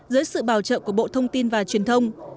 dưới sự bảo trợ của bộ thông tin và truyền thông